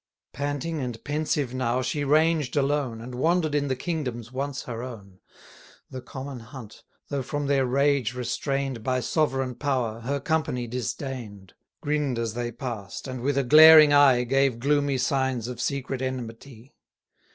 Panting and pensive now she ranged alone, And wander'd in the kingdoms once her own, The common hunt, though from their rage restrain'd By sovereign power, her company disdain'd; Grinn'd as they pass'd, and with a glaring eye Gave gloomy signs of secret enmity.